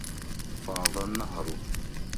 فَاضَ النَّهْرُ.